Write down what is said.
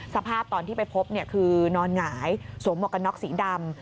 สภาพตอนที่ไปพบคือนอนหงายสวมหมวกกันน็อกสีดำ